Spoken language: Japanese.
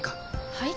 はい？